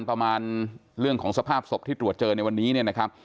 ประมาณเรื่องของสภาพศพที่ตรวจเจอในวันนี้เนี่ยนะครับ